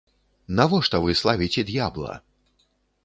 Навошта вы славіце д'ябла?